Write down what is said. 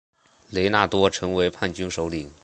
雷纳多成为叛军首领。